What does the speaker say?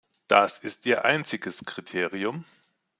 Das ist ihr einziges Kriterium!